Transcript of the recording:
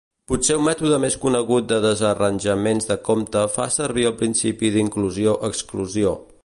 Potser un mètode més conegut de desarranjaments de compte fa servir el principi d'inclusió-exclusió.